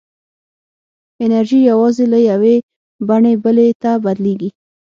انرژي یوازې له یوې بڼې بلې ته بدلېږي.